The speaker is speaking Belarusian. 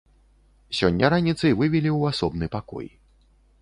Сёння раніцай вывелі ў асобны пакой.